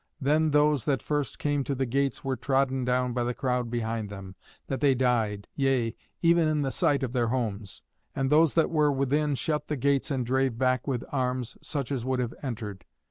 Then those that first came to the gates were trodden down by the crowd behind them, that they died, yea, even in the sight of their homes. And those that were within shut the gates and drave back with arms such as would have entered.